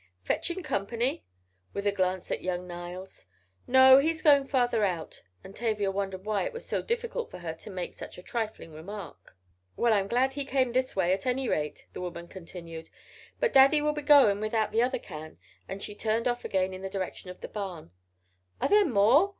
"Fetchin' company?" with a glance at young Niles. "No, he's going farther on," and Tavia wondered why it was so difficult for her to make such a trifling remark. "Well, I'm glad he came this way, at any rate," the woman continued. "But Daddy will be goin' without the other can," and she turned off again in the direction of the barn. "Are there more?"